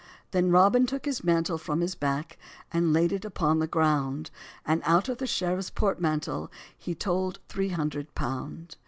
Then Robin took his mantle from his back, And laid it upon the ground: And out of the sheriffs portmantle He told three hundred pound.